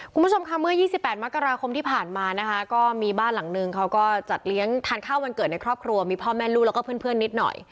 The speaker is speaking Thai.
คุณผู้ชมค่ะเมื่อ๒๘มกราคมที่ผ่านมานะคะก็มีบ้านหลังนึงเขาก็จัดเลี้ยงทานข้าววันเกิดในครอบครัวมีพ่อแม่ลูกแล้วก็เพื่อนนิดหน่อย